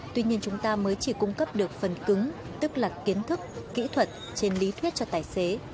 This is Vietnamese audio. tuy nhiên chúng ta mới chỉ cung cấp được phần cứng tức là kiến thức kỹ thuật trên lý thuyết cho tài xế